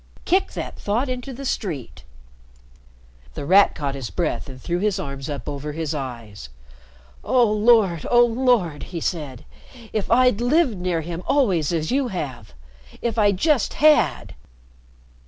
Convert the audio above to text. Kick that thought into the street." The Rat caught his breath and threw his arms up over his eyes. "Oh, Lord! Oh, Lord!" he said; "if I'd lived near him always as you have. If I just had."